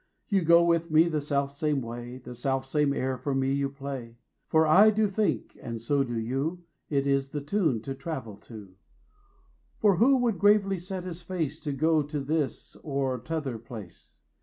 You go with me the self same way The self same air for me you play; 10 For I do think and so do you, It is the tune to travel to. For who would gravely set his face To go to this or t'other place?